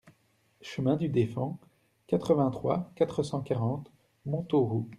Chemin du Defends, quatre-vingt-trois, quatre cent quarante Montauroux